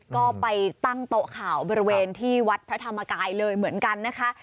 ก็ไปตั้งโต๊ะข่าวบริเวณที่วัดพระธรรมกายเลยเหมือนกันนะคะ